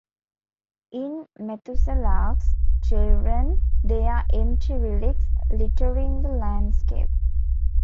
In Methuselah's Children they are empty relics littering the landscape.